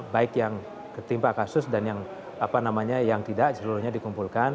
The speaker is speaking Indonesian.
baik yang ketimpa kasus dan yang tidak seluruhnya dikumpulkan